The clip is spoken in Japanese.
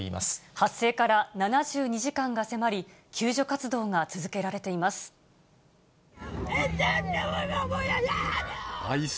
発生から７２時間が迫り、救助活動が続けられています。